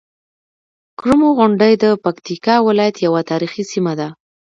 کرمو غونډۍ د پکتيکا ولايت یوه تاريخي سيمه ده.